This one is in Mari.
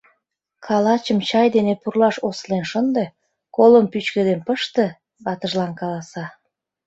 — Калачым чай дене пурлаш осылен шынде, колым пӱчкеден пыште! — ватыжлан каласа.